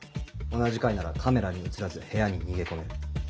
同じ階ならカメラに写らず部屋に逃げ込める。